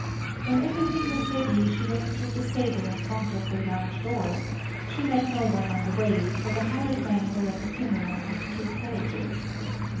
When everything was ready, she went through the stable in front of the yard door; she met no one on the way, for the hired men were at the funeral with two carriages.